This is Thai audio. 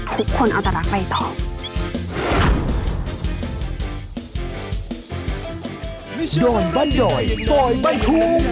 ทุกคนเอาแต่รักไปต่อ